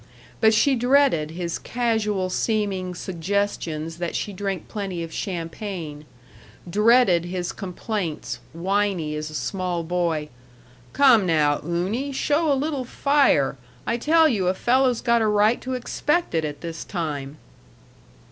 But she dreaded his casual seeming suggestions that she drink plenty of champagne; dreaded his complaints, whiney as a small boy, "Come now, Unie, show a little fire. I tell you a fellow's got a right to expect it at this time."